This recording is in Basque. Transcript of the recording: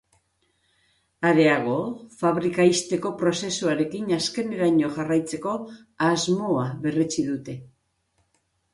Areago, fabrika ixteko prozesuarekin azkeneraino jarraitzeko asmoa berretsi dute.